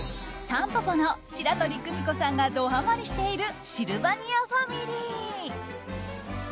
たんぽぽの白鳥久美子さんがドはまりしているシルバニアファミリー。